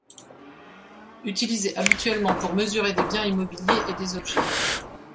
Utilisée habituellement pour mesurer des biens immobiliers et des objets.